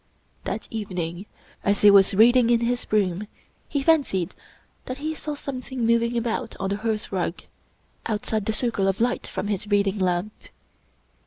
That evening, as he was reading in his room, he fancied that he saw something moving about on the hearthrug, outside the circle of light from his reading lamp.